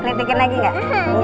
ketikin lagi gak